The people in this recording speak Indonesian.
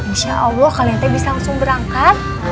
insya allah kalian bisa langsung berangkat